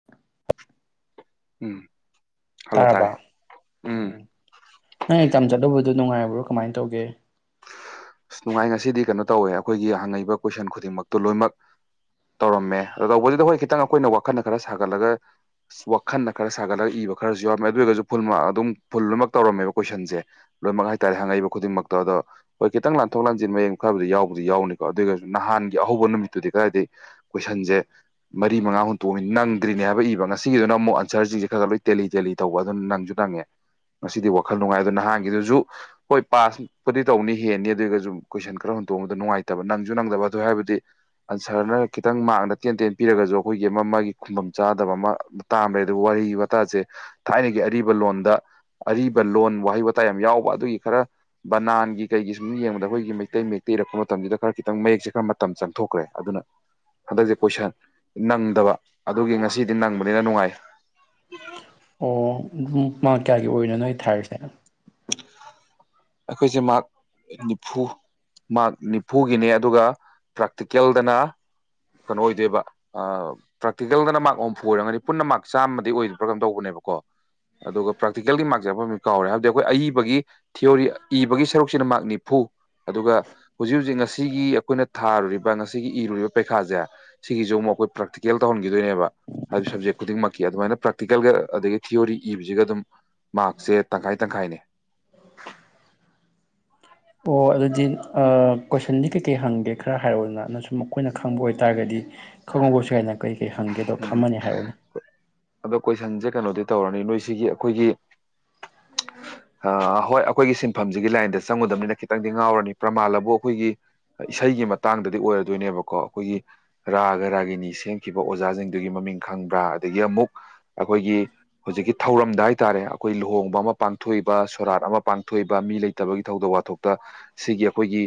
[inaudible] ꯎꯝ hello ꯇꯥꯔꯕ ꯇꯥꯔꯦ ꯎꯝ ꯎꯝ ꯅꯪ ꯑꯩ ꯑꯦꯛꯖꯥꯝ ꯆꯠꯂꯨꯕꯗꯣ ꯅꯨꯡꯉꯥꯏꯕ꯭ꯔꯣ ꯀꯃꯥꯏ ꯇꯧꯒꯦ ꯑꯁ ꯅꯨꯡꯉꯥꯏ ꯉꯁꯤꯗꯤ ꯀꯩꯅꯣ ꯇꯧꯋꯦ ꯑꯩꯈꯣꯏꯒꯤ ꯍꯪꯉꯏꯕ ꯀꯣꯏꯁꯟ ꯈꯨꯗꯤꯡꯃꯛꯇꯨ ꯂꯣꯏꯅꯃꯛ ꯇꯧꯔꯝꯃꯦ ꯑꯣ ꯇꯧꯕꯗꯨꯗ ꯍꯣꯏ ꯈꯤꯇꯪ ꯑꯈꯣꯏꯅ ꯋꯥꯈꯜꯅ ꯈꯔ ꯁꯥꯒꯠꯂꯒ ꯋꯥꯈꯜꯗ ꯈꯔ ꯁꯥꯒꯠꯂꯒ ꯏꯕ ꯈꯔꯁꯨ ꯌꯥꯎꯔꯝꯃꯦ ꯑꯗꯨ ꯑꯣꯏꯔꯒꯖꯨ ꯐꯨꯜ ꯃꯥꯔꯛ ꯑꯗꯨꯝ ꯐꯨꯜ ꯂꯣꯏꯅꯃꯛ ꯇꯧꯔꯝꯃꯦꯕ ꯀꯣꯏꯁꯟꯖꯦ ꯂꯣꯏꯃꯛ ꯍꯥꯏꯇꯥꯔꯦ ꯍꯪꯉꯛꯏꯕ ꯈꯨꯗꯤꯡꯃꯛꯇꯣ ꯑꯗꯣ ꯍꯣꯏ ꯈꯤꯇꯪ ꯂꯥꯟꯊꯣꯛ ꯂꯥꯟꯖꯤꯟ ꯃꯌꯦꯡ ꯈꯔꯕꯨꯗꯤ ꯌꯥꯎꯕꯗꯤ ꯌꯥꯎꯅꯤꯀꯣ ꯑꯗꯣꯏꯒꯖꯨ ꯅꯍꯥꯟꯒꯤ ꯑꯍꯧꯕ ꯅꯨꯃꯤꯠꯇꯨꯗꯤ ꯀꯔꯥꯏꯗꯩ ꯀꯣꯏꯁꯟꯖꯦ ꯃꯔꯤ ꯃꯉꯥ ꯍꯨꯟꯇꯣꯝꯃꯤ ꯅꯪꯗ꯭ꯔꯤꯅꯦ ꯍꯥꯏꯕ ꯏꯕ ꯉꯁꯤꯒꯤꯗꯨꯅ ꯑꯃꯨꯛ ꯑꯟꯁꯔꯖꯤꯖꯦ ꯈꯔꯒ꯭ꯔꯥ ꯂꯣꯏ ꯇꯦꯂꯤ ꯇꯦꯂꯤ ꯇꯧꯕ ꯑꯗꯨꯅ ꯅꯪꯖꯨ ꯅꯪꯉꯦ ꯉꯁꯤꯗꯤ ꯋꯥꯈꯜ ꯅꯨꯡꯉꯥꯏ ꯑꯗꯨꯅ ꯅꯍꯥꯟꯒꯤꯗꯨꯖꯨ ꯍꯣꯏ ꯄꯥꯁꯄꯨꯗꯤ ꯇꯧꯅꯤ ꯍꯦꯟꯅꯤ ꯑꯗꯨ ꯑꯣꯏꯒꯖꯨ ꯀꯣꯏꯁꯟ ꯈꯔ ꯍꯨꯟ ꯇꯣꯑꯝꯕꯗꯣ ꯅꯨꯡꯉꯥꯏꯇꯕ ꯅꯪꯖꯨ ꯅꯪꯗꯕ ꯑꯗꯨ ꯍꯥꯏꯕꯗꯤ ꯑꯟꯁꯔꯅ ꯈꯤꯇꯪ ꯃꯥꯔꯛꯅ ꯇꯦꯟ ꯇꯦꯟ ꯄꯤꯔꯒꯖꯨ ꯑꯈꯣꯏꯒꯤ ꯑꯃ ꯃꯥꯒꯤ ꯈꯨꯨꯝꯕꯝ ꯆꯥꯗꯕ ꯑꯃ ꯇꯥꯝꯔꯦ ꯑꯗꯨ ꯋꯥꯍꯩ ꯋꯥꯇꯥꯖꯦ ꯊꯥꯏꯅꯒꯤ ꯑꯔꯤꯕ ꯂꯣꯟꯗ ꯑꯔꯤꯕ ꯂꯣꯟ ꯋꯥꯍꯩ ꯋꯥꯇꯥ ꯌꯥꯝ ꯌꯥꯎꯕ ꯑꯗꯨꯒꯤ ꯈꯔ ꯕꯅꯥꯟꯒꯤ ꯀꯩꯒꯤ ꯁꯨꯝ ꯌꯦꯡꯕꯗ ꯑꯈꯣꯏꯒꯤ ꯃꯩꯇꯩ ꯃꯌꯦꯛꯇ ꯏꯔꯛꯄ ꯃꯇꯝꯖꯤꯗ ꯈꯔ ꯈꯤꯇꯪ ꯃꯌꯦꯛꯁꯦ ꯈꯔ ꯃꯇꯝ ꯆꯪꯊꯣꯛꯈ꯭ꯔꯦ ꯑꯗꯨꯅ ꯍꯟꯗꯛꯁꯦ ꯀꯣꯏꯁꯟ ꯅꯪꯗꯕ ꯑꯗꯨꯒꯤ ꯉꯁꯤꯗꯤ ꯅꯪꯕꯅꯤꯅ ꯅꯨꯡꯉꯥꯏ ꯑꯣ ꯑꯗꯨꯝ ꯃꯥꯔꯛ ꯀꯌꯥꯒꯤ ꯑꯣꯏꯔꯤꯅꯣ ꯅꯣꯏ ꯊꯥꯔꯤꯁꯦ ꯑꯩꯈꯣꯏꯁꯦ ꯃꯥꯔꯛ ꯅꯤꯐꯨ ꯃꯥꯔꯛ ꯅꯤꯐꯨꯒꯤꯅꯦ ꯑꯗꯨꯒ ꯄ꯭ꯔꯥꯛꯇꯤꯀꯦꯜꯗꯅ ꯀꯩꯅꯣ ꯑꯣꯏꯗꯣꯏꯕ ꯑꯥ ꯄ꯭ꯔꯦꯇꯤꯀꯦꯜꯗꯅ ꯃꯥꯔꯛ ꯍꯨꯝꯐꯨ ꯑꯣꯏꯔꯝꯒꯅꯤ ꯄꯨꯟꯅ ꯃꯥꯔꯛ ꯆꯥꯝꯃꯗꯤ ꯑꯣꯏꯒꯤꯕ꯭ꯔꯥ ꯀꯝ ꯇꯧꯕꯅꯦꯕꯀꯣ ꯑꯗꯨꯒ ꯄ꯭ꯔꯥꯛꯇꯤꯀꯦꯜꯒꯤ [unintelligible] ꯃꯥꯔꯛꯖꯦ ꯀꯥꯎꯔꯦ ꯍꯥꯏꯕꯗꯤ ꯑꯈꯣꯏ ꯑꯏꯕꯒꯤ ꯊꯤꯑꯣꯔꯤ ꯏꯕꯒꯤ ꯁꯔꯨꯛꯁꯤꯅ ꯃꯥꯔꯛ ꯅꯤꯐꯨ ꯑꯗꯨꯒ ꯍꯨꯖꯤꯛ ꯍꯨꯖꯤꯛ ꯉꯁꯤꯒꯤ ꯑꯩꯈꯣꯏꯅ ꯊꯥꯔꯨꯔꯤꯕ ꯉꯁꯤꯒꯤ ꯏꯔꯨꯔꯤꯕ ꯄꯩꯈꯥꯖꯦ ꯁꯤꯒꯤꯖꯨ ꯑꯃꯨꯛ ꯑꯩꯈꯣꯏ ꯄ꯭ꯔꯥꯛꯛꯇꯤꯀꯦꯜ ꯇꯧꯍꯟꯒꯤꯗꯣꯏꯅꯦꯕ ꯍꯥꯏꯕꯗꯤ ꯁꯕꯖꯦꯛ ꯈꯨꯗꯤꯡꯃꯛꯀꯤ ꯑꯗꯨꯃꯥꯏꯅ ꯄ꯭ꯔꯥꯛꯇꯤꯀꯦꯜꯒ ꯑꯗꯒꯤ ꯊꯤꯑꯣꯔꯤ ꯏꯕꯖꯤꯒ ꯑꯗꯨꯝ ꯃꯥꯔꯛꯁꯦ ꯇꯪꯈꯥꯏ ꯇꯪꯈꯥꯏꯅꯦ ꯑꯣ ꯑꯗꯨꯗꯤ ꯑꯥ ꯀꯣꯏꯁꯟꯗꯤ ꯀꯩꯀꯩ ꯍꯪꯒꯦ ꯈꯔ ꯍꯥꯏꯔꯛꯑꯣꯗꯅ ꯅ ꯁꯨꯝ ꯑꯈꯣꯏꯅ ꯈꯪꯕ ꯑꯣꯏꯇꯥꯔꯒꯗꯤ ꯈꯪꯉꯧꯕꯁꯨ ꯌꯥꯏꯅ ꯀꯩ ꯀꯩ ꯍꯪꯒꯦꯗꯣ ꯎꯝ ꯈꯝꯃꯅꯤ ꯍꯥꯏꯔꯛꯑꯣꯅꯦ ꯑꯗꯣ ꯀꯣꯏꯁꯟꯖꯦ ꯀꯩꯅꯣꯗꯤ ꯇꯧꯔꯅꯤ ꯅꯣꯏ ꯁꯤꯒꯤ ꯑꯈꯣꯏꯒꯤ ꯍꯥ ꯍꯣꯏ ꯑꯈꯣꯏꯒꯤ ꯁꯤꯟꯐꯝꯖꯤꯒꯤ ꯂꯥꯏꯟꯗ ꯆꯪꯉꯨꯗꯕꯅꯤꯅ ꯈꯤꯇꯪꯗꯤ ꯉꯥꯎꯔꯅꯤ ꯄ꯭ꯔꯃꯥꯜꯑꯕꯨ ꯑꯈꯣꯏꯒꯤ ꯏꯁꯩꯒꯤ ꯃꯇꯥꯡꯗꯗꯤ ꯑꯣꯏꯔꯗꯣꯏꯅꯦꯕꯀꯣ ꯑꯈꯣꯏꯒꯤ ꯔꯥꯒ ꯔꯥꯒꯤꯅꯤ ꯁꯦꯝꯈꯤꯕ ꯑꯣꯖꯥꯖꯤꯡꯗꯨꯒꯤ ꯃꯃꯤꯡ ꯈꯪꯕ꯭ꯔꯥ ꯑꯗꯒꯤ ꯑꯃꯨꯛ ꯑꯈꯣꯏꯒꯤ ꯍꯨꯖꯤꯛꯀꯤ ꯊꯧꯔꯝꯗ ꯍꯥꯏꯇꯥꯔꯦ ꯑꯈꯣꯏ ꯂꯨꯍꯣꯡꯕ ꯑꯃ ꯄꯥꯡ ꯊꯣꯛꯏꯕ ꯁꯣꯔꯥꯠ ꯑꯃ ꯄꯥꯡꯊꯣꯛꯏꯕ ꯃꯤ ꯂꯩꯇꯕꯒꯤ ꯊꯧꯗꯣꯛ ꯋꯥꯊꯣꯛꯇꯥ ꯁꯤꯒꯤ ꯑꯈꯣꯏꯒꯤ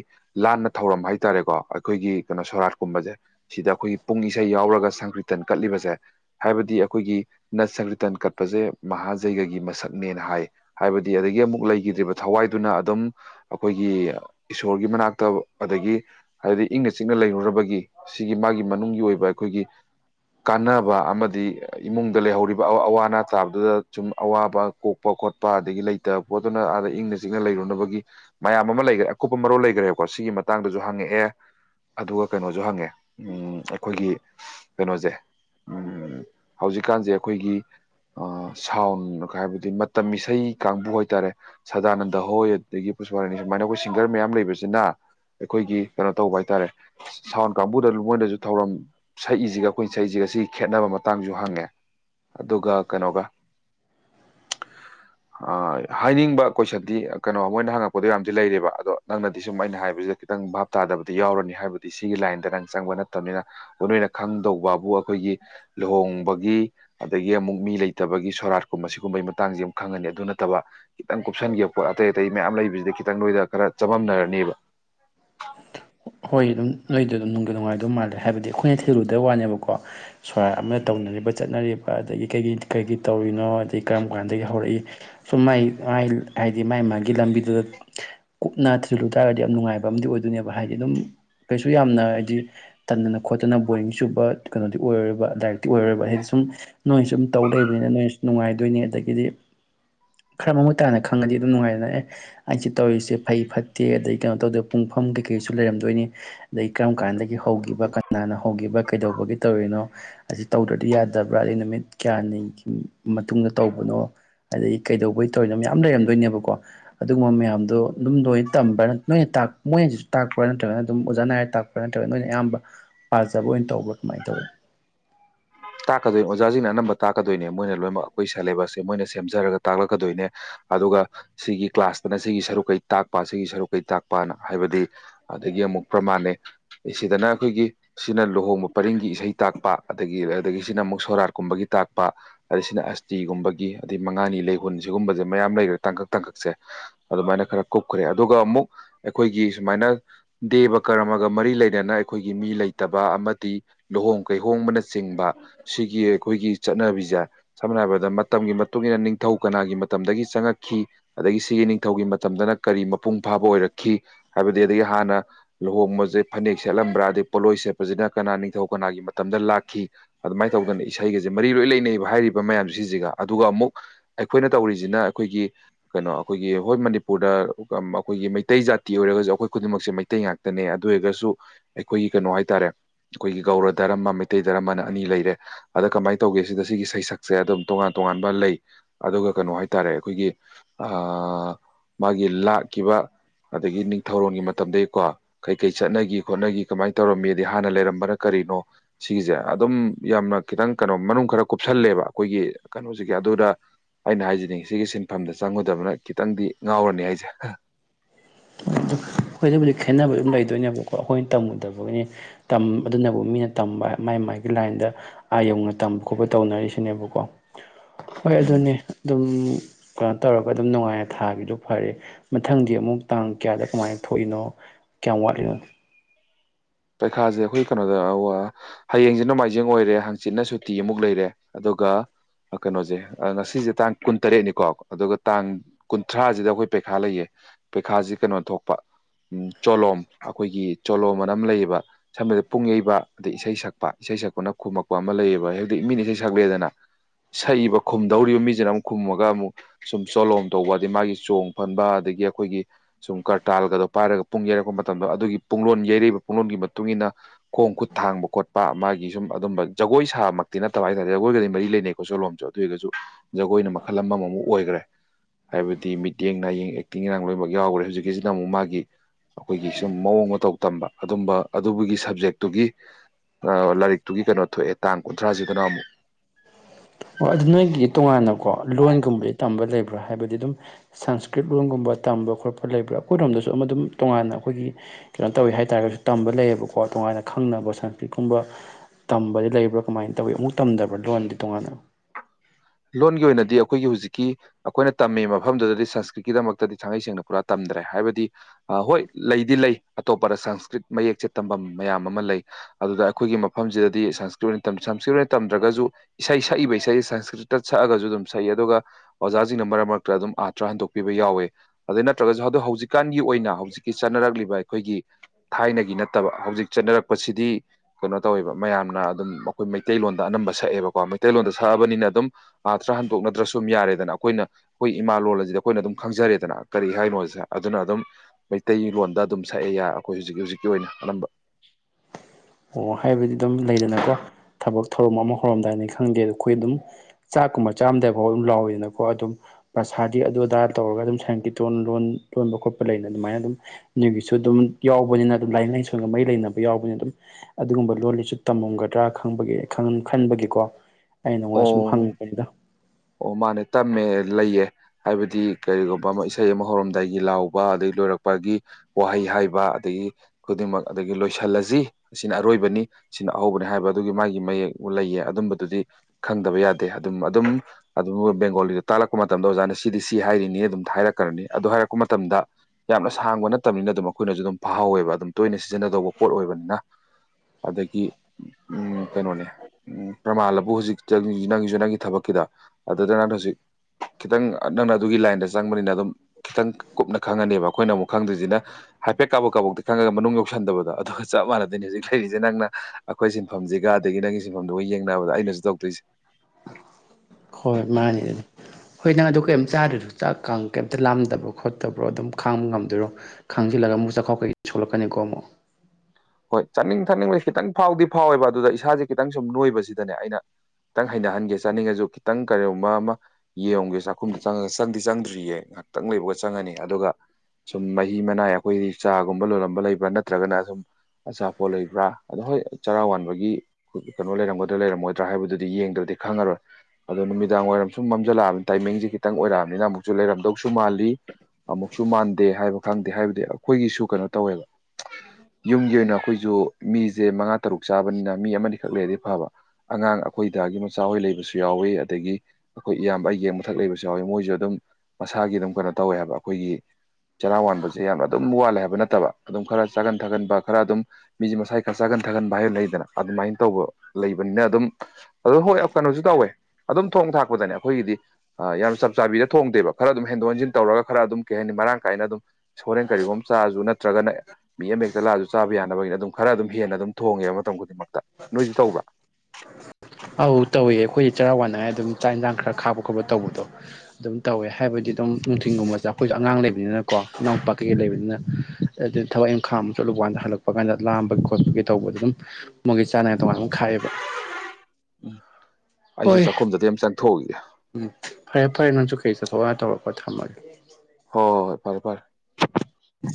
ꯂꯥꯟꯅ ꯊꯧꯔꯝ ꯍꯥꯏꯇꯥꯔꯦꯀꯣ ꯑꯈꯣꯏꯒꯤ ꯀꯩꯅꯣ ꯁꯣꯔꯥꯠꯀꯨꯝꯕꯖꯦ ꯁꯤꯗ ꯑꯈꯣꯏꯒꯤ ꯄꯨꯡ ꯏꯁꯩ ꯌꯥꯎꯔꯒ ꯁꯪꯀ꯭ꯔꯤꯇꯟ ꯀꯠꯂꯤꯕꯖꯦ ꯍꯥꯏꯕꯗꯤ ꯑꯩꯈꯣꯏꯒꯤ ꯅꯠ ꯁꯪ꯭ꯔꯤꯇꯟ ꯀꯠꯄꯖꯦ ꯃꯍꯥꯖꯩꯒꯒꯤ ꯃꯁꯛꯅꯦꯅ ꯍꯥꯏ ꯍꯥꯏꯕꯗꯤ ꯑꯗꯒꯤ ꯑꯃꯨꯛ ꯂꯩꯒꯤꯗ꯭ꯔꯤꯕ ꯊꯋꯥꯏꯗꯨꯅ ꯑꯗꯨꯝ ꯑꯈꯣꯏꯒꯤ ꯏꯁꯣꯔꯒꯤ ꯃꯅꯥꯛꯇꯥ ꯑꯗꯒꯤ ꯍꯥꯏꯗꯤ ꯏꯪꯅ ꯆꯤꯛꯅ ꯂꯩꯔꯨꯔꯕꯒꯤ ꯁꯤꯒꯤ ꯃꯥꯒꯤ ꯃꯅꯨꯡꯒꯤ ꯑꯣꯏꯕ ꯑꯩꯈꯣꯏꯒꯤ ꯀꯥꯟꯅꯕ ꯑꯃꯗꯤ ꯏꯃꯨꯡꯗ ꯂꯩꯍꯧꯔꯤꯕ ꯑꯋꯥ ꯑꯅꯥ ꯇꯥꯕꯗꯨꯗ ꯆꯨꯝ ꯑꯋꯥꯕ ꯀꯣꯛꯄ ꯈꯣꯠ ꯄꯥ ꯑꯗꯒꯤ ꯂꯩꯇꯕ ꯄꯣꯠꯇꯨꯅ ꯑꯥꯗ ꯏꯪꯅ ꯆꯤꯛꯅ ꯂꯩꯔꯨꯅꯕꯒꯤ ꯃꯌꯥꯝ ꯑꯃ ꯂꯩꯒ꯭ꯔꯦ ꯑꯀꯨꯞꯄ ꯃꯔꯣꯜ ꯂꯩꯒ꯭ꯔꯦꯕꯀꯣ ꯁꯤꯒꯤ ꯃꯇꯥꯡꯗꯖꯨ ꯍꯪꯉꯛꯑꯦ ꯑꯗꯨꯒ ꯀꯩꯅꯣꯁꯨ ꯍꯪꯉꯦ ꯎꯝ ꯑꯩꯈꯣꯏꯒꯤ ꯀꯩꯅꯣꯁꯦ ꯎꯝ ꯍꯧꯖꯤꯛꯀꯥꯟꯁꯦ ꯑꯩꯈꯣꯏꯒꯤ ꯑꯥ ꯁꯥꯎꯟ ꯍꯥꯏꯕꯗꯤ ꯃꯇꯝꯃꯤꯁ ꯏꯁꯩ ꯀꯥꯡꯕꯨ ꯍꯥꯏꯇꯥꯔꯦ ꯁꯗꯥꯅꯟꯗ ꯍꯣꯏ ꯑꯗꯒꯤ ꯄꯨꯁꯄꯥꯔꯥꯅꯤ ꯁꯨꯃꯥꯏꯅ ꯑꯩꯈꯣꯏ ꯁꯤꯡꯒꯔ ꯃꯌꯥꯝ ꯂꯩꯕꯁꯤꯅ ꯑꯩꯈꯣꯏꯒꯤ ꯀꯩꯅꯣ ꯇꯧꯕ ꯍꯥꯏꯇꯥꯔꯦ ꯁꯥꯎꯟ ꯀꯥꯡꯕꯨꯗ ꯃꯣꯏꯗꯁꯨ ꯊꯧꯔꯝ ꯁꯛꯏꯁꯤꯒ ꯑꯩꯈꯣꯏ ꯁꯛꯏꯁꯤꯒ ꯁꯤ ꯈꯦꯠꯅꯕ ꯃꯇꯥꯡꯁꯨ ꯍꯪꯉꯦ ꯑꯗꯨꯒ ꯀꯩꯅꯣꯒ ꯑ ꯍꯣꯏ ꯍꯥꯏꯅꯤꯡꯕ ꯀꯣꯏꯁꯟꯗꯤ ꯀꯩꯅꯣ ꯃꯣꯏꯅ ꯍꯪꯉꯛꯄꯗꯣ ꯌꯥꯝꯗꯤ ꯂꯩꯔꯦꯕ ꯑꯗꯣ ꯅꯪꯅꯗꯤ ꯁꯨꯝ ꯑꯩꯅ ꯍꯥꯏꯕꯁꯤꯗ ꯈꯤꯇꯪ ꯚꯥꯞ ꯇꯥꯗꯕꯗꯤ ꯌꯥꯎꯔꯅꯤ ꯍꯥꯏꯕꯗꯤ ꯁꯤꯒꯤ ꯂꯥꯏꯟꯗ ꯅꯪ ꯆꯪꯕ ꯅꯠꯇꯕꯅꯤꯅ ꯑꯣ ꯅꯣꯏꯅ ꯈꯪꯗꯧꯕꯕꯨ ꯑꯩꯈꯣꯏꯒꯤ ꯂꯨꯍꯣꯡꯕꯒꯤ ꯑꯗꯒꯤ ꯑꯃꯨꯛ ꯃꯤ ꯂꯩꯇꯕꯒꯤ ꯁꯣꯔꯥꯠꯀꯨꯝꯕ ꯁꯤꯒꯨꯝꯕꯒꯤ ꯃꯇꯥꯡꯁꯦ ꯑꯃꯨꯛ ꯈꯪꯉꯅꯤ ꯑꯗꯨ ꯅꯠꯇꯕ ꯈꯤꯇꯪ ꯀꯨꯞꯁꯟꯈꯤꯕ ꯄꯣꯠ ꯑꯇꯩ ꯑꯇꯩ ꯃꯌꯥꯝ ꯂꯩꯕꯁꯤꯗ ꯈꯤꯇꯪ ꯅꯣꯏꯗ ꯈꯔ ꯆꯃꯝꯅꯔꯅꯦꯕ ꯍꯣꯏ ꯑꯗꯨꯝ ꯅꯣꯏꯗ ꯑꯗꯨꯝ ꯅꯨꯡꯗ ꯅꯨꯡꯉꯥꯏꯗꯨ ꯃꯥꯜꯂꯦ ꯍꯥꯏꯕꯗꯤ ꯑꯩꯈꯣꯏꯅ ꯊꯤꯜꯂꯨꯗꯕ ꯋꯥꯅꯦꯕꯀꯣ ꯁ꯭ꯋꯥꯏ ꯑꯃꯅ ꯇꯧꯅꯔꯤꯕ ꯆꯠꯅꯔꯤꯕ ꯑꯗꯒꯤ ꯀꯩꯒꯤ ꯀꯩꯒꯤ ꯇꯧꯔꯤꯅꯣ ꯑꯗꯩ ꯀꯔꯝ ꯀꯥꯟꯗꯒꯤ ꯍꯧꯔꯛꯏ ꯁꯨꯝ ꯃꯥꯏ ꯃꯥꯏ ꯍꯥꯏꯗꯤ ꯃꯥꯥꯏ ꯃꯥꯒꯤ ꯂꯝꯕꯤꯗꯨꯗ ꯀꯨꯞꯅ ꯊꯤꯖꯤꯜꯂꯨ ꯇꯥꯔꯒꯗꯤ ꯌꯥꯝ ꯅꯨꯡꯉꯥꯏꯕ ꯑꯃꯗꯤ ꯑꯣꯏꯗꯣꯏꯅꯦꯕ ꯍꯥꯏꯗꯤ ꯑꯗꯨꯝ ꯀꯩꯁꯨ ꯌꯥꯝꯅ ꯍꯥꯏꯗꯤ ꯇꯟꯗꯅ ꯈꯣꯠꯇꯅ ꯕꯣꯔꯤꯡ ꯆꯨꯕ ꯀꯩꯅꯣꯗꯤ ꯑꯣꯏꯔꯣꯏꯕ ꯗꯥꯏꯔꯦꯛꯇꯤ ꯑꯣꯏꯔꯣꯏꯕ ꯍꯥꯏꯗꯤ ꯁꯨꯝ ꯅꯣꯏꯁꯨꯝ ꯇꯧ ꯂꯩꯕꯅꯤꯅ ꯅꯣꯏꯅꯁꯨ ꯅꯨꯡꯉꯥꯏꯗꯣꯏꯅꯤ ꯑꯗꯩꯒꯤꯗꯤ ꯈꯔ ꯃꯃꯨꯠ ꯇꯥꯅ ꯈꯪꯉꯗꯤ ꯑꯗꯨꯝ ꯅꯨꯡꯉꯥꯏꯗꯅ ꯑꯦ ꯑꯩꯁꯤ ꯇꯧꯔꯤꯁꯦ ꯐꯩ ꯐꯠꯇꯦ ꯑꯗꯩ ꯀꯩꯅꯣꯇꯧꯗꯧ ꯄꯨꯡꯐꯝ ꯀꯩꯀꯩꯁꯨ ꯂꯩꯔꯝꯗꯣꯏꯅꯤ ꯑꯗꯩꯒꯤ ꯀꯔꯝ ꯀꯥꯟꯗꯒꯤ ꯍꯧꯈꯤꯕ ꯀꯅꯥꯅ ꯍꯧꯈꯤꯕ ꯀꯩꯗꯧꯕꯒꯤ ꯇꯧꯔꯤꯅꯣ ꯑꯁꯤ ꯇꯧꯗ꯭ꯔꯗꯤ ꯌꯥꯗꯕ꯭ꯔꯥ ꯑꯩ ꯅꯨꯃꯤꯠ ꯀꯌꯥꯅꯤꯒꯤ ꯃꯇꯨꯡꯗ ꯇꯧꯕꯅꯣ ꯑꯗꯩꯒꯤ ꯀꯩꯗꯧꯕꯩ ꯇꯧꯔꯤꯅꯣ ꯃꯌꯥꯝ ꯂꯩꯔꯝꯗꯣꯏꯅꯦꯕꯀꯣ ꯑꯗꯨꯒꯨꯝꯕ ꯃꯌꯥꯝꯗꯣ ꯑꯗꯨꯝ ꯂꯣꯏ ꯇꯝꯕ꯭ꯔ ꯅꯣꯏꯅ ꯇꯥꯛ ꯃꯣꯏꯅꯁꯨ ꯇꯥꯛꯄ꯭ꯔꯥ ꯅꯠꯇ꯭ꯔꯒꯅ ꯑꯗꯨꯝ ꯑꯣꯖꯥ ꯅꯥꯏꯔ ꯇꯥꯛꯄ꯭ꯔꯥ ꯅꯠꯇ꯭ꯔꯒꯅ ꯅꯣꯏꯅ ꯑꯌꯥꯝꯕ ꯄꯥꯖꯕ ꯑꯣꯏꯅ ꯇꯧꯕ꯭ꯔꯥ ꯀꯃꯥꯏꯅ ꯇꯧꯋꯤ ꯇꯥꯛꯀꯗꯣꯏꯅꯦ ꯑꯣꯖꯥꯁꯤꯡꯅ ꯑꯅꯝꯕ ꯇꯥꯛꯀꯗꯣꯏꯅꯦ ꯃꯣꯏꯅ ꯂꯣꯏꯅꯃꯛ ꯑꯩꯈꯣꯏ ꯁꯦꯂꯦꯕꯁꯁꯦ ꯃꯣꯏꯅ ꯁꯦꯝꯖꯔꯒ ꯇꯥꯛꯂꯛꯀꯗꯣꯏꯅꯦ ꯑꯗꯨꯒ ꯁꯤꯒꯤ ꯀ꯭ꯂꯥꯁꯇꯅ ꯁꯤꯒꯤ ꯁꯔꯨꯛ ꯀꯩ ꯇꯥꯛꯄ ꯁꯤꯒꯤ ꯁꯔꯨꯛ ꯀꯩ ꯇꯥꯛꯄꯅ ꯍꯥꯏꯕꯗꯤ ꯑꯗꯒꯤ ꯑꯃꯨꯛ ꯄ꯭ꯔꯃꯥꯟꯅꯦ ꯑ ꯁꯤꯗꯅ ꯑꯩꯈꯣꯏꯒꯤ ꯁꯤꯅ ꯂꯨꯍꯣꯡꯕ ꯄꯔꯤꯡꯒꯤ ꯏꯁꯩ ꯇꯥꯛꯄ ꯑꯗꯒꯤ ꯑꯗꯒꯤ ꯁꯤꯅ ꯑꯃꯨꯛ ꯁꯣꯔꯥꯠꯀꯨꯝꯕꯒꯤ ꯇꯥꯛꯄ ꯑꯗꯁꯤꯅ ꯑꯁꯇꯤꯒꯨꯝꯕꯒꯤ ꯑꯗꯩ ꯃꯉꯥꯅꯤ ꯂꯩꯍꯨꯟ ꯁꯤꯒꯨꯝꯕꯁꯦ ꯃꯌꯥꯝ ꯂꯩꯈ꯭ꯔꯦ ꯇꯥꯡꯀꯛ ꯇꯥꯡꯀꯛꯁꯦ ꯑꯗꯨꯃꯥꯏꯅ ꯈꯔ ꯀꯨꯞꯈ꯭ꯔꯦ ꯑꯗꯨꯒ ꯑꯃꯨꯛ ꯑꯩꯈꯣꯏꯒꯤ ꯁꯨꯃꯥꯏꯅ ꯗꯦꯕ ꯀꯔꯃꯒ ꯃꯔꯤ ꯂꯩꯅꯅ ꯑꯩꯈꯣꯏꯒꯤ ꯃꯤ ꯂꯩꯇꯕ ꯑꯃꯗꯤ ꯂꯨꯍꯣꯡ ꯀꯩꯍꯣꯡꯕꯅꯆꯤꯡꯕ ꯁꯤꯒꯤ ꯑꯩꯈꯣꯏꯒꯤ ꯆꯠꯅꯕꯤꯁꯦ ꯁꯝꯅ ꯍꯥꯏꯔꯕꯗ ꯃꯇꯝꯒꯤ ꯃꯇꯨꯡ ꯏꯟꯅ ꯅꯤꯡꯊꯧ ꯀꯅꯥꯒꯤ ꯃꯇꯝꯗꯒꯤ ꯆꯪꯉꯛꯈꯤ ꯑꯗꯒꯤ ꯁꯤꯒꯤ ꯅꯤꯡꯊꯧꯒꯤ ꯃꯇꯝꯗꯅ ꯀꯔꯤ ꯃꯄꯨꯡ ꯐꯥꯕ ꯑꯣꯏꯔꯛꯈꯤ ꯍꯥꯏꯕꯗꯤ ꯑꯗꯒꯤ ꯍꯥꯟꯅ ꯂꯨꯍꯣꯡꯕꯁꯦ ꯐꯅꯦꯛ ꯁꯦꯠꯂꯝꯕ꯭ꯔꯥ ꯑꯗꯩ ꯄꯣꯠꯂꯣꯏ ꯁꯦꯠꯄꯁꯤꯅ ꯀꯅꯥ ꯅꯤꯡꯊꯧ ꯀꯅꯥꯒꯤ ꯃꯇꯝꯗ ꯂꯥꯛꯈꯤ ꯑꯗꯨꯃꯥꯏꯅ ꯇꯧꯗꯅ ꯏꯁꯩꯒꯁꯦ ꯃꯔꯤ ꯂꯣꯏ ꯂꯩꯅꯩꯕ ꯍꯥꯏꯔꯤꯕ ꯃꯌꯥꯝ ꯁꯤꯁꯤꯒ ꯑꯗꯨꯒ ꯑꯃꯨꯛ ꯑꯩꯈꯣꯏꯅ ꯇꯧꯔꯤꯁꯤꯅ ꯑꯩꯈꯣꯏꯒꯤ ꯀꯩꯅꯣ ꯑꯩꯈꯣꯏꯒꯤ ꯍꯣꯏ ꯃꯅꯤꯄꯨꯔꯗ ꯑꯩꯈꯣꯏꯒꯤ ꯃꯩꯇꯩ ꯖꯥꯇꯤ ꯑꯣꯏꯔꯒꯁꯨ ꯑꯩꯈꯣꯏ ꯈꯨꯗꯤꯡꯃꯛꯁꯦ ꯃꯩꯇꯩ ꯉꯥꯛ ꯉꯇꯅꯦ ꯑꯗꯨ ꯑꯣꯏꯔꯒꯁꯨ ꯑꯩꯈꯣꯏꯒꯤ ꯀꯩꯅꯣ ꯍꯥꯏꯇꯥꯔꯦ ꯑꯩꯈꯣꯏꯒꯤ ꯒꯧꯔ ꯙꯔꯃ ꯃꯩꯇꯩ ꯙꯔꯃꯅ ꯑꯅꯤ ꯂꯩꯔꯦ ꯑꯗ ꯀꯃꯥꯏꯅ ꯇꯧꯒꯦ ꯁꯤꯗ ꯁꯤꯒꯤ ꯁꯩꯁꯛꯁꯦ ꯑꯗꯨꯝ ꯇꯣꯉꯥꯟ ꯇꯣꯉꯥꯟꯕ ꯂꯩ ꯑꯗꯨꯒ ꯀꯩꯅꯣ ꯍꯥꯏꯇꯥꯔꯦ ꯑꯩꯈꯣꯏꯒꯤ ꯑ ꯃꯥꯒꯤ ꯂꯥꯛꯈꯤꯕ ꯑꯗꯒꯤ ꯅꯤꯡꯊꯧꯔꯣꯟꯒꯤ ꯃꯇꯝꯗꯩꯀꯣ ꯀꯩ ꯀꯩ ꯆꯠꯅꯈꯤ ꯈꯣꯠꯅꯈꯤ ꯀꯃꯥꯏꯅ ꯇꯧꯔꯝꯃꯤꯗꯤ ꯍꯥꯟꯅ ꯂꯩꯔꯝꯕꯅ ꯀꯔꯤꯅꯣ ꯁꯤꯒꯤꯁꯦ ꯑꯗꯨꯝ ꯌꯥꯝꯅ ꯈꯤꯇꯪ ꯀꯩꯅꯣ ꯃꯔꯨꯡ ꯈꯔ ꯀꯨꯞꯁꯜꯂꯦꯕ ꯑꯩꯈꯣꯏꯒꯤ ꯀꯩꯅꯣꯁꯤꯒꯤ ꯑꯗꯨꯗ ꯑꯩꯅ ꯍꯥꯏꯖꯤꯅꯤ ꯁꯤꯒꯤ ꯁꯤꯟꯐꯝꯗ ꯆꯪꯉꯨꯗꯕꯅ ꯈꯤꯇꯪꯗꯤ ꯉꯥꯎꯔꯅꯤ ꯍꯥꯏꯁꯦ ꯑꯗꯨ ꯑꯩꯈꯣꯏꯗꯕꯨꯗꯤ ꯈꯦꯟꯅꯕ ꯑꯗꯨꯝ ꯂꯩꯗꯣꯏꯅꯦꯕꯀꯣ ꯑꯈꯣꯏꯅ ꯇꯝꯃꯨꯗꯕꯒꯤꯅꯤ꯫ ꯇꯝ ꯑꯗꯨꯅꯕꯨ ꯃꯤꯅ ꯇꯝꯕ ꯃꯥꯏ ꯃꯥꯏꯒꯤ ꯂꯥꯏꯟꯗ ꯑꯥ ꯌꯧꯅ ꯇꯝꯕ ꯈꯣꯠꯄ ꯇꯧꯅꯔꯤꯁꯤꯅꯦꯕꯀꯣ ꯍꯣꯏ ꯎꯝ ꯑꯗꯨꯅꯦ ꯑꯗꯨꯝ ꯀꯩꯅꯣ ꯇꯧꯔꯒ ꯑꯗꯨꯝ ꯅꯨꯡꯉꯥꯏꯅ ꯊꯥꯒꯤꯗꯣ ꯐꯔꯦ ꯃꯊꯪꯗꯤ ꯑꯃꯨꯛ ꯇꯥꯡ ꯀꯌꯥꯗ ꯀꯃꯥꯏꯅ ꯊꯣꯛꯏꯅꯣ ꯀꯌꯥꯝ ꯋꯥꯠꯂꯤꯅꯣ? ꯄꯩꯈꯥꯖꯦ ꯑꯈꯣꯏ ꯀꯩꯅꯣꯗ ꯑꯋꯥ ꯍꯌꯦꯡꯖꯤ ꯅꯣꯡ ꯃꯥꯏꯖꯤꯡ ꯑꯣꯏꯔꯦ ꯍꯥꯡꯆꯤꯠꯅ ꯁꯨꯇꯤ ꯑꯃꯨꯛ ꯂꯩꯔꯦ ꯑꯗꯨꯒ ꯀꯩꯅꯣꯖꯦ ꯉꯁꯤꯁꯦ ꯇꯥꯡ ꯀꯨꯟ ꯇꯔꯦꯠꯅꯤꯀꯣ ꯑꯗꯨꯒ ꯇꯥꯡ ꯀꯨꯟꯊ꯭ꯔꯥꯖꯤꯗ ꯑꯈꯣꯏ ꯄꯩꯈꯥ ꯂꯩꯌꯦ ꯄꯩꯈꯥꯖꯤ ꯀꯩꯅꯣ ꯊꯣꯛꯄ ꯎꯝ ꯆꯣꯂꯣꯝ ꯑꯈꯣꯏꯒꯤ ꯆꯣꯂꯣꯝ ꯑꯅ ꯑꯃ ꯂꯩꯌꯦꯕ ꯕꯗ ꯄꯨꯡ ꯌꯩꯕ ꯑꯗꯩ ꯏꯁꯩ ꯁꯛꯄ ꯏꯁꯩ ꯁꯛꯄꯅ ꯈꯨꯝꯃꯛꯄ ꯑꯃ ꯂꯩꯌꯦꯕ ꯍꯦꯛꯇ ꯃꯤꯅ ꯏꯁꯩ ꯁꯛꯂꯦꯗꯅ ꯁꯛꯏꯕ ꯈꯨꯝꯗꯧꯔꯤꯕ ꯃꯤꯖꯤꯅ ꯑꯃꯨꯛ ꯈꯨꯝꯃꯒ ꯑꯃꯨꯛ ꯁꯨꯝ ꯆꯣꯂꯣꯝ ꯇꯧꯕꯗꯤ ꯃꯥꯒꯤ ꯆꯣꯡ ꯐꯟꯕ ꯑꯗꯒꯤ ꯑꯩꯈꯣꯏꯒꯤ ꯁꯨꯝ ꯀꯔꯇꯥꯜꯒꯗꯣ ꯄꯥꯏꯔꯒ ꯄꯨꯡ ꯌꯩꯔꯛꯄ ꯃꯇꯝꯗꯣ ꯑꯗꯨꯒꯤ ꯄꯨꯡꯂꯣꯟ ꯌꯩꯔꯛꯏꯕ ꯄꯨꯡꯂꯣꯟꯒꯤ ꯃꯇꯨꯡ ꯏꯟꯅ ꯈꯣꯡ ꯈꯨꯠ ꯊꯥꯡꯕ ꯈꯣꯠꯄ ꯃꯥꯒꯤ ꯁꯨꯝ ꯑꯗꯨꯝꯕ ꯖꯒꯣꯏ ꯁꯥꯃꯛꯇꯤ ꯅꯠꯇꯕ ꯍꯥꯏꯇꯥꯔꯦ ꯖꯒꯣꯏꯒꯗꯤ ꯃꯔꯤ ꯂꯩꯅꯩꯀꯣ ꯆꯣꯂꯣꯝꯁꯨ ꯑꯗꯨ ꯑꯗꯨ ꯑꯣꯏꯔꯒꯁꯨ ꯖꯒꯣꯏꯅ ꯃꯈꯜ ꯑꯃꯃꯃꯨꯛ ꯑꯣꯏꯒ꯭ꯔꯦ꯫ ꯍꯥꯏꯕꯗꯤ ꯃꯤꯠꯌꯦꯡ ꯅꯥꯌꯦꯡ ꯑꯦꯛꯇꯤꯡ ꯏꯔꯥꯡ ꯂꯣꯏꯅꯃꯛ ꯌꯥꯎꯒ꯭ꯔꯦ ꯍꯧꯖꯤꯛꯀꯤꯁꯤꯅ ꯑꯃꯨꯛ ꯃꯥꯒꯤ ꯑꯈꯣꯏꯒꯤ ꯁꯨꯝ ꯃꯑꯣꯡ ꯃꯇꯧ ꯇꯝꯕ꯫ ꯑꯗꯨꯝꯕ ꯑꯗꯨꯕꯨꯒꯤ ꯁꯕꯖꯦꯛꯇꯨꯒꯤ ꯑꯥ ꯂꯥꯏꯔꯤꯛꯇꯨꯒꯤ ꯀꯩꯅꯣ ꯊꯣꯛꯑꯦ ꯇꯥꯡ ꯀꯨꯟꯊ꯭ꯔꯥꯁꯤꯗꯅ ꯑꯃꯨꯛ꯫ ꯑꯗꯨ ꯅꯣꯏꯒꯤ ꯇꯣꯉꯥꯟꯅꯀꯣ ꯂꯣꯟꯒꯨꯝꯕꯗꯤ ꯇꯝꯕ ꯂꯩꯕ꯭ꯔꯥ ꯍꯥꯏꯕꯗꯤ ꯑꯗꯨꯝ ꯁꯪꯁꯀ꯭ꯔꯤꯠ ꯂꯣꯟꯒꯨꯝꯕ ꯇꯝꯕ ꯈꯣꯠꯄ ꯂꯩꯕ꯭ꯔꯥ ꯑꯩꯈꯣꯏꯔꯣꯝꯗꯁꯨ ꯑꯃ ꯑꯗꯨꯝ ꯇꯣꯉꯥꯟꯅ ꯑꯈꯣꯏꯒꯤ ꯀꯩꯅꯣ ꯇꯧꯋꯤ ꯍꯥꯏꯇꯥꯥꯔꯒꯁꯨ ꯇꯝꯕ ꯂꯩꯌꯦꯕꯀꯣ ꯇꯣꯉꯥꯏꯅ ꯈꯪꯅꯕ ꯁꯟꯁꯀ꯭ꯔꯤꯠꯀꯨꯝꯕ ꯇꯝꯕꯗꯤ ꯂꯩꯕ꯭ꯔꯥ ꯀꯃꯥꯏꯅ ꯇꯧꯋꯤ ꯑꯃꯨꯛ ꯇꯝꯗꯕ꯭ꯔꯥ ꯂꯣꯟꯗꯤ ꯇꯣꯉꯥꯟꯅ? ꯂꯣꯟꯒꯤ ꯑꯣꯏꯅꯗꯤ ꯑꯈꯣꯏꯒꯤ ꯍꯨꯖꯤꯛꯀꯤ ꯑꯈꯣꯏꯅ ꯇꯝꯃꯤꯕ ꯃꯐꯝꯗꯨꯗꯗꯤ ꯁꯪꯁꯀ꯭ꯔꯤꯠ ꯀꯤꯗꯃꯛꯇꯗꯤ ꯊꯥꯡꯉꯩ ꯁꯦꯡꯅ ꯄꯨꯔꯥ ꯇꯝꯗ꯭ꯔꯦ ꯍꯥꯏꯕꯗꯤ ꯑ ꯍꯣꯏ ꯂꯩꯗꯤ ꯂꯩ ꯑꯇꯣꯞꯄꯗ ꯁꯪꯁꯀ꯭ꯔꯤꯠ ꯃꯌꯦꯛꯁꯦ ꯇꯝꯐꯝ ꯃꯌꯥꯝ ꯑꯃ ꯂꯩ꯫ ꯑꯗꯨꯗ ꯑꯩꯈꯣꯏꯒꯤ ꯃꯐꯝꯁꯤꯗꯗꯤ ꯁꯪꯁꯀ꯭ꯔꯤꯠ ꯑꯣꯏꯅ ꯇꯝ ꯁꯪꯁꯀ꯭ꯔꯤꯠ ꯑꯣꯏꯅ ꯇꯝꯗ꯭ꯔꯒꯖꯨ ꯏꯁꯩ ꯁꯛꯏꯕ ꯏꯁꯩ ꯁꯪꯁ ꯁꯛꯑꯒꯁꯨ ꯑꯗꯨꯝ ꯁꯛꯌꯦ ꯑꯗꯨꯒ ꯑꯣꯖꯥꯁꯤꯡꯅ ꯃꯔꯛ ꯃꯔꯛꯇ ꯑꯗꯨꯝ ꯑꯥꯔꯊ꯭ꯔ ꯍꯟꯗꯣꯛꯄꯤꯕ ꯌꯥꯎꯋꯦ꯫ ꯑꯗꯨꯗꯩ ꯅꯠꯇ꯭ꯔꯒꯖꯨ ꯑꯗꯨ ꯍꯧꯖꯤꯛꯀꯥꯟꯒꯤ ꯑꯣꯏꯅ ꯍꯧꯖꯤꯛꯀꯤ ꯆꯠꯅꯔꯛꯂꯤꯕ ꯑꯩꯈꯣꯏꯒꯤ ꯊꯥꯏꯅꯒꯤ ꯅꯠꯇꯕ ꯍꯧꯖꯤꯛ ꯆꯠꯅꯔꯛꯄꯁꯤꯗꯤ ꯀꯩꯅꯣ ꯇꯧꯋꯦꯕ ꯃꯌꯥꯝꯅ ꯑꯗꯨꯝ ꯑꯩꯈꯣꯏ ꯃꯩꯇꯩꯂꯣꯟꯗ ꯑꯅꯝꯕ ꯁꯛꯑꯦꯕꯀꯣ ꯃꯩꯇꯩꯂꯣꯟꯗ ꯁꯛꯑꯕꯅꯤꯅ ꯑꯗꯨꯝ ꯑꯥꯊ꯭ꯔ ꯍꯟꯗꯣꯛꯅꯗ꯭ꯔ ꯁꯨꯝ ꯌꯥꯔꯦꯗꯅ ꯑꯈꯣꯏꯅ꯫ ꯈꯣꯏ ꯏꯃꯥ ꯂꯣꯟ ꯑꯖꯤꯗꯤ ꯑꯈꯣꯏꯅ ꯑꯗꯨꯝ ꯈꯪꯖꯔꯦꯗꯅ ꯀꯔꯤ ꯍꯥꯏꯅꯣꯁꯦ ꯑꯗꯨꯅ ꯑꯗꯨꯝ ꯃꯩꯇꯩꯂꯣꯟꯗ ꯑꯗꯨꯝ ꯁꯛꯑꯦ ꯌꯥ ꯑꯩꯈꯣꯏ ꯍꯧꯖꯤꯛ ꯍꯨꯖꯤꯛꯀꯤ ꯑꯣꯏꯅ ꯑꯅꯝꯕ꯫ ꯑꯣ ꯍꯥꯏꯕꯗꯤ ꯑꯗꯨꯝ ꯂꯩꯗꯅꯀꯣ ꯊꯕꯛ ꯊꯧꯔꯝ ꯑꯃ ꯍꯧꯔꯝꯗꯥꯏꯅꯤ ꯈꯪꯗꯦ ꯑꯗꯣ ꯑꯈꯣꯏ ꯑꯗꯨꯝ ꯆꯥꯛꯀꯨꯝꯕ ꯆꯥꯝꯗꯥꯏꯐꯥꯎ ꯑꯗꯨꯝ ꯂꯥꯎꯋꯤꯗꯅꯀꯣ ꯑꯗꯨꯝ ꯄ꯭ꯔꯁꯥꯗꯤ ꯑꯗꯨ ꯑꯗꯥ ꯇꯧꯔꯒ ꯑꯗꯨꯝ ꯁꯥꯏꯟꯀꯤꯇꯣꯟ ꯂꯣꯟ ꯂꯣꯟꯕ ꯈꯣꯠꯄ ꯂꯩꯅ ꯑꯗꯨꯃꯥꯏꯅ ꯑꯗꯨꯝ ꯅꯣꯏꯒꯤꯁꯨ ꯑꯗꯨꯝ ꯌꯥꯎꯕꯅꯤꯅ ꯑꯗꯨꯝ ꯂꯥꯏꯅꯤꯡ ꯂꯥꯏꯁꯣꯟꯒ ꯃꯔꯤ ꯂꯩꯅꯕ ꯌꯥꯎꯕꯅꯤꯅ ꯑꯗꯨꯝ ꯑꯗꯨꯒꯨꯝꯕ ꯂꯣꯜꯂꯤꯁꯨ ꯇꯝꯃꯝꯒꯗ꯭ꯔꯥ ꯈꯪꯕꯒꯤ ꯈꯟꯕꯒꯤꯀꯣ ꯑꯩꯅ ꯅꯉꯣꯟꯗ ꯁꯨꯝ ꯑꯣ ꯍꯪꯉꯛꯕꯅꯤꯗ꯫ ꯑꯣ ꯃꯥꯅꯦ ꯇꯝꯃꯦ ꯂꯩꯌꯦ꯫ ꯍꯥꯏꯕꯗꯤ ꯀꯔꯤꯒꯨꯝꯕ ꯑꯃ ꯏꯁꯩ ꯑꯃ ꯍꯧꯔꯝꯗꯥꯏꯒꯤ ꯂꯥꯎꯕ ꯑꯗꯒꯤ ꯂꯣꯏꯔꯛꯄꯒꯤ ꯋꯥꯍꯩ ꯍꯥꯏꯕ ꯑꯗꯒꯤ ꯈꯨꯗꯤꯡꯃꯛ ꯑꯗꯒꯤ ꯂꯣꯏꯁꯤꯜꯂꯖꯤ ꯁꯤꯅ ꯑꯔꯣꯏꯕꯅꯤ ꯁꯤꯅ ꯑꯍꯧꯕꯅꯤ ꯍꯥꯏꯕ ꯑꯗꯨꯒꯤ ꯃꯥꯒꯤ ꯃꯌꯦꯛ ꯂꯩꯌꯦ ꯑꯗꯨꯝꯕꯗꯨꯗꯤ ꯈꯪꯗꯕ ꯌꯥꯗꯦ ꯑꯗꯨꯝ ꯑꯗꯨꯝ ꯑꯗꯨ ꯕꯦꯡꯒꯣꯂꯤꯗ ꯇꯥꯜꯂꯛꯄ ꯃꯇꯝꯗ ꯑꯣꯖꯥꯅ ꯁꯤꯗꯤ ꯁꯤ ꯍꯥꯏꯔꯤꯅꯤ ꯑꯗꯨꯝ ꯍꯥꯏꯔꯛꯈ꯭ꯔꯅꯤ ꯑꯗꯨ ꯍꯥꯏꯔꯛꯄ ꯃꯇꯝꯗ ꯌꯥꯝꯅ ꯁꯥꯡꯕ ꯅꯠꯇꯕꯅꯤꯅ ꯑꯗꯨꯝ ꯑꯩꯈꯣꯏꯅꯁꯨ ꯑꯗꯨꯝ ꯐꯍꯧꯋꯦꯕ ꯑꯗꯨꯝ ꯇꯣꯏꯅ ꯁꯤꯖꯤꯟꯅꯗꯧꯕ ꯄꯣꯠ ꯑꯣꯏꯕꯅꯤꯅ ꯑꯗꯒꯤ ꯎꯝ ꯀꯩꯅꯣꯅꯦ ꯎꯝ ꯄ꯭ꯔꯃꯥꯜꯂꯕꯨ ꯍꯧꯖꯤꯛ ꯆꯪꯉꯤ ꯅꯪꯒꯤꯁꯨ ꯅꯪꯒꯤ ꯊꯕꯛꯀꯤꯗ ꯑꯗꯨꯗ ꯅꯪꯅ ꯍꯧꯖꯤꯛ ꯈꯤꯇꯪ ꯅꯪꯅ ꯑꯗꯨꯒꯤ ꯂꯥꯏꯟꯗ ꯆꯪꯕꯅꯤꯅ ꯑꯗꯨꯝ ꯈꯤꯇꯪ ꯀꯨꯞꯅ ꯈꯪꯉꯅꯦꯕ ꯑꯩꯈꯣꯏꯅ ꯑꯃꯨꯛ ꯈꯪꯗꯣꯏꯖꯤꯅ ꯍꯥꯏꯐꯦꯠ ꯀꯥꯕꯣꯛ ꯀꯥꯕꯣꯛꯇꯤ ꯈꯪꯉꯒ ꯃꯅꯨꯡ ꯌꯧꯁꯟꯗꯕꯗꯣ ꯑꯗꯨꯒ ꯆꯞ ꯃꯥꯟꯅꯗꯣꯏꯅꯤ ꯍꯧꯖꯤꯛ ꯂꯩꯔꯤꯁꯦ ꯅꯪꯅ ꯑꯩꯈꯣꯏ ꯁꯤꯟꯐꯝꯖꯤꯒ ꯑꯗꯒꯤ ꯅꯪꯒꯤ ꯁꯤꯟꯐꯝꯗꯨꯒ ꯌꯦꯡꯅꯕꯗ ꯑꯩꯅꯁꯨ ꯇꯧꯗꯣꯏꯁꯦ ꯍꯣꯏ ꯃꯥꯅꯤꯗꯅꯤ ꯍꯣꯏ ꯅꯪ ꯑꯗꯨ ꯀꯩꯝ ꯆꯥꯗꯁꯨ ꯆꯥꯛ ꯀꯥꯡ ꯀꯩꯝꯇ ꯂꯥꯝꯗꯕ꯭ꯔꯣ ꯈꯣꯠꯇꯕ꯭ꯔꯣ ꯑꯗꯨꯝ ꯈꯥꯡꯕ ꯉꯝꯗꯣꯏꯔꯣ ꯈꯪꯡꯖꯤꯜꯂꯒ ꯑꯃꯨꯛ ꯆꯈꯥꯎ ꯀꯩ ꯀꯩ ꯁꯣꯛꯂꯛꯀꯅꯤꯀꯣ ꯑꯃꯨꯛ ꯍꯣꯏ ꯆꯥꯅꯤꯡ ꯊꯛꯅꯤꯡꯕꯁꯦ ꯈꯤꯇꯪ ꯐꯥꯎꯗꯤ ꯐꯥꯎꯋꯦꯕ ꯑꯗꯨꯗ ꯏꯁꯥꯁꯦ ꯈꯤꯇꯪ ꯁꯨꯝ ꯅꯣꯏꯕꯁꯤꯗꯅꯦ ꯑꯩꯅ ꯈꯤꯇꯪ ꯍꯩꯅꯍꯟꯒꯦ ꯆꯥꯅꯤꯡꯉꯁꯨ ꯈꯤꯇꯪ ꯀꯔꯤꯒꯨꯝꯕ ꯑꯃ ꯌꯦꯡꯉꯨꯒꯦ ꯆꯥꯛꯈꯨꯝꯗ ꯆꯪꯉꯒ ꯆꯪꯗꯤ ꯆꯪꯗ꯭ꯔꯤꯌꯦ ꯉꯥꯛꯇꯪ ꯂꯩꯕꯒ ꯆꯪꯉꯅꯤ ꯑꯗꯨꯒ ꯁꯨꯝ ꯃꯍꯤ ꯃꯅꯥꯏ ꯑꯩꯈꯣꯏꯗꯤ ꯆꯥꯒꯨꯝꯕ ꯂꯣꯜꯂꯝꯕ ꯂꯩꯕ ꯅꯠꯇ꯭ꯔꯒꯅ ꯁꯨꯝ ꯑꯆꯥꯄꯣꯠ ꯂꯩꯕ꯭ꯔꯥ ꯑꯗꯣ ꯍꯣꯏ ꯆꯔꯥ ꯋꯥꯟꯕꯒꯤ ꯀꯩꯅꯣ ꯂꯩꯔꯝꯒꯗ꯭ꯔꯥ ꯂꯩꯔꯝꯃꯣꯏꯗ꯭ꯔꯥ ꯍꯥꯏꯕꯗꯨꯗꯤ ꯌꯦꯡꯗ꯭ꯔꯗꯤ ꯈꯪꯉꯔꯣꯏ ꯑꯗꯣ ꯅꯨꯃꯤꯗꯥꯡ ꯋꯥꯏꯔꯝ ꯁꯨꯝ ꯃꯝꯁꯤꯜꯂꯛꯑꯕꯅꯤ ꯇꯥꯏꯃꯤꯡꯁꯦ ꯈꯤꯇꯪ ꯑꯣꯏꯔꯛꯑꯕꯅꯤꯅ ꯑꯃꯨꯛꯁꯨ ꯂꯩꯔꯝꯗꯧꯁꯨ ꯃꯥꯜꯂꯤ ꯑꯃꯨꯛꯁꯨ ꯃꯥꯟꯗꯦ ꯍꯥꯏꯕ ꯈꯪꯗꯦ ꯍꯥꯏꯕꯗꯤ ꯑꯩꯈꯣꯏꯒꯤꯁꯨ ꯀꯩꯅꯣ ꯇꯧꯋꯦꯕ ꯌꯨꯝꯒꯤ ꯑꯣꯏꯅ ꯑꯩꯈꯣꯏꯁꯨ ꯃꯤꯁꯦ ꯃꯉꯥ ꯇꯔꯨꯛ ꯆꯥꯕꯅꯤꯅ ꯃꯤ ꯑꯃꯅꯤꯈꯛ ꯂꯩꯔꯗꯤ ꯐꯕ ꯑꯉꯥꯡ ꯑꯩꯈꯣꯏꯗꯥꯒꯤ ꯃꯆꯥꯍꯣꯏ ꯂꯩꯕꯁꯨ ꯌꯥꯎꯋꯤ ꯑꯗꯒꯤ ꯑꯩꯈꯣꯏ ꯏꯌꯥꯝꯕ ꯑꯩ ꯌꯦꯡ ꯃꯊꯛ ꯂꯩꯕꯁꯨ ꯌꯥꯎꯋꯤ ꯃꯣꯏꯁꯨ ꯑꯗꯨꯝ ꯃꯁꯥꯒꯤ ꯑꯗꯨꯝ ꯀꯩꯅꯣ ꯇꯧꯋꯦ ꯍꯥꯏꯕ ꯑꯩꯈꯣꯏꯒꯤ ꯆꯔꯥ ꯋꯥꯟꯕꯁꯦ ꯌꯥꯝꯅ ꯑꯗꯨꯝ ꯋꯥꯠꯂꯦ ꯍꯥꯏꯕ ꯅꯠꯇꯕ ꯑꯗꯨꯝ ꯈꯔ ꯆꯥꯒꯟ ꯊꯛꯒꯟꯕ ꯈꯔ ꯑꯗꯨꯝ ꯃꯤꯖꯦ ꯃꯁꯥꯏ ꯈꯔ ꯆꯥꯒꯟ ꯊꯥꯒꯟꯕ ꯍꯥꯏꯕ ꯂꯩꯗꯅ ꯑꯗꯨꯃꯥꯏꯅ ꯇꯧꯕ ꯂꯩꯕꯅꯤꯅ ꯑꯗꯨꯝ ꯑꯗꯨ ꯍꯣꯏ ꯀꯩꯅꯣꯁꯨ ꯇꯧꯋꯦ ꯑꯗꯨꯝ ꯊꯣꯡ ꯊꯥꯛꯄꯗꯅꯦ ꯑꯩꯈꯣꯏꯒꯤꯗꯤ ꯌꯥꯝ ꯆꯞ ꯆꯥꯕꯤꯗ ꯊꯣꯡꯗꯦꯕ ꯈꯔ ꯑꯗꯨꯝ ꯍꯦꯟꯗꯣꯛ ꯍꯦꯟꯖꯤꯟ ꯇꯧꯔꯒ ꯈꯔ ꯑꯗꯨꯝ ꯀꯩ ꯍꯥꯏꯅꯤ ꯃꯔꯥꯡ ꯀꯥꯏꯅ ꯑꯗꯨꯝ ꯍꯣꯔꯦꯟ ꯀꯔꯤꯒꯨꯝꯕ ꯆꯥꯔꯁꯨ ꯅꯠꯇ꯭ꯔꯒꯅ ꯃꯤ ꯑꯃ ꯍꯦꯛꯇ ꯂꯥꯛꯑꯁꯨ ꯆꯥꯕ ꯌꯥꯏꯅ ꯅꯕꯒꯤꯅ ꯑꯗꯨꯝ ꯈꯔ ꯑꯗꯨꯝ ꯍꯦꯟꯅ ꯑꯗꯨꯝ ꯊꯣꯡꯉꯦꯕ ꯃꯇꯝ ꯈꯨꯗꯤꯡꯃꯛꯇ ꯅꯣꯏꯁꯨ ꯇꯧꯕ꯭ꯔꯥ ꯑꯧ ꯇꯧꯏꯦ ꯑꯩꯈꯣꯏꯗꯤ ꯆꯔꯥꯛ ꯋꯥꯅꯤꯡꯉꯥꯏ ꯑꯗꯨꯝ ꯆꯥꯛ ꯌꯦꯟꯁꯥꯡ ꯈꯔ ꯈꯥꯕ ꯈꯣꯠꯄ ꯇꯧꯕꯗꯣ ꯑꯗꯨꯝ ꯇꯧꯋꯦ ꯍꯥꯏꯕꯗꯤ ꯑꯗꯨꯝ ꯅꯨꯡꯊꯤꯜꯒꯨꯝꯕꯗ ꯑꯩꯈꯣꯏꯁꯨ ꯑꯉꯥꯡ ꯂꯩꯕꯅꯤꯅꯀꯣ ꯏꯅꯥꯎꯄꯥ ꯀꯩꯀꯩ ꯂꯩꯕꯅꯤꯅ ꯑ ꯊꯕꯛ ꯏꯪꯈꯥꯝ ꯑꯃ ꯆꯠꯂꯨ ꯀꯥꯟꯗ ꯍꯜꯂꯛꯄ ꯀꯥꯟꯗ ꯂꯥꯝꯕꯒꯤ ꯈꯣꯠꯄꯒꯤ ꯇꯧꯕꯗꯣ ꯑꯗꯨꯝ ꯃꯣꯏꯒꯤ ꯆꯥꯅꯉꯥꯏ ꯇꯣꯉꯥꯟꯅ ꯑꯃꯨꯛ ꯈꯥꯛꯑꯦꯕ ꯎꯝ ꯑꯩꯁꯨ ꯍꯣꯏ ꯆꯥꯛꯈꯨꯝꯗꯗꯤ ꯑꯃ ꯆꯪꯊꯣꯛꯈꯤꯒꯦ ꯎꯝ ꯐꯔꯦ ꯐꯔꯦ ꯅꯪꯁꯨ ꯀꯩ ꯆꯠꯊꯣꯛꯑꯒ ꯇꯧꯔꯛꯑꯣ ꯊꯝꯃꯒꯦ ꯍꯣꯏ ꯍꯣꯏ ꯐꯔꯦ ꯐꯔꯦ ꯎꯝ